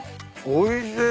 おいしい。